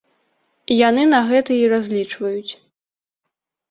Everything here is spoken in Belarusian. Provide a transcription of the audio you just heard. Яны на гэта і разлічваюць.